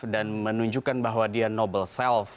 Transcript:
dan menunjukkan bahwa dia noble self